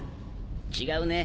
違うね。